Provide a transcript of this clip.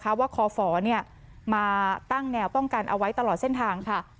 เพราะว่าคอฝมาตั้งแนวป้องกันเอาไว้ตลอดเส้นทางค่ะ